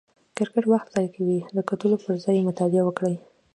کرکټ وخت ضایع کوي، د کتلو پر ځای یې مطالعه وکړئ!